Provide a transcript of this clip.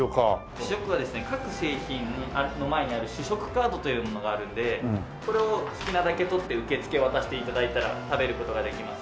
試食はですね各製品の前にある試食カードというものがあるんでこれを好きなだけ取って受付へ渡して頂いたら食べる事ができます。